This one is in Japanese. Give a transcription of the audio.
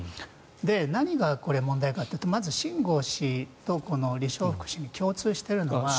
何が問題かというとまず秦剛氏とリ・ショウフク氏に共通しているのは。